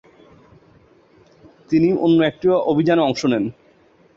তিনি অন্য একটি অভিযানে অংশ নেন।